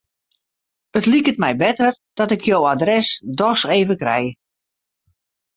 It liket my better dat ik jo adres dochs even krij.